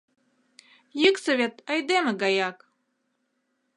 Йӱксӧ вет айдеме гаяк.